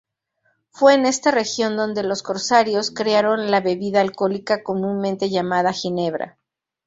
Fue en esta región donde los corsarios crearon la bebida alcohólica comúnmente llamada Ginebra.